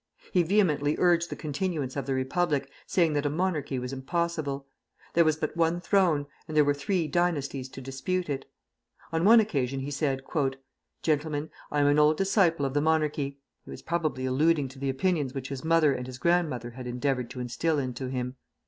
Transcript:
He vehemently urged the continuance of the Republic, saying that a monarchy was impossible. There was but one throne, and there were three dynasties to dispute it. On one occasion he said: "Gentlemen, I am an old disciple of the monarchy [he was probably alluding to the opinions which his mother and his grandmother had endeavored to instil into him].